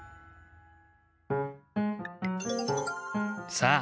さあ